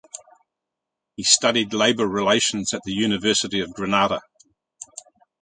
He studied labor relations at the University of Granada.